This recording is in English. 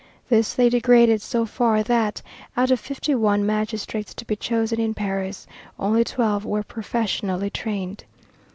This they degraded so far that, out of fifty one magistrates to be chosen in Paris, only twelve were professionally trained.